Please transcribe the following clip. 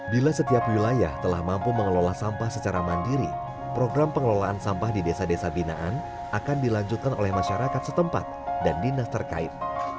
bila setiap wilayah telah mampu mengelola sampah secara mandiri program pengelolaan sampah di desa desa binaan akan dilanjutkan oleh masyarakat setempat dan dinas terkait